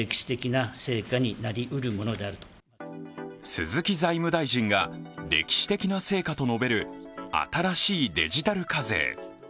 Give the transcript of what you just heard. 鈴木財務大臣が歴史的な成果と述べる新しいデジタル課税。